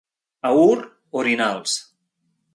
A Ur, orinals.